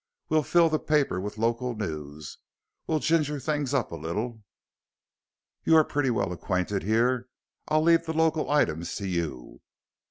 We'll fill the paper with local news we'll ginger things up a little. You are pretty well acquainted here I'll leave the local items to you.